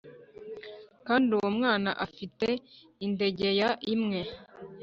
kandi uwo mwana afite indegeya imwe